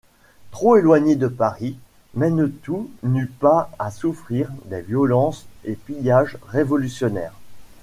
Trop éloigné de Paris, Mennetou n’eut pas à souffrir des violences et pillages révolutionnaires.